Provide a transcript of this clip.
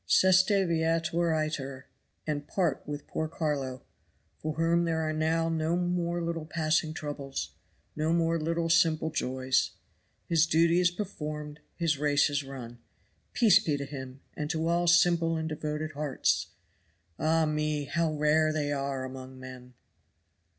Siste viator iter and part with poor Carlo for whom there are now no more little passing troubles no more little simple joys. His duty is performed, his race is run. Peace be to him, and to all simple and devoted hearts. Ah me! how rare they are among men!